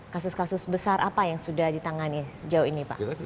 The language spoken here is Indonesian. kasus kasus besar apa yang sudah ditangani sejauh ini pak